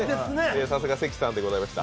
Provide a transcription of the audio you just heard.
さすが関さんでございました。